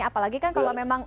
apalagi kan kalau memang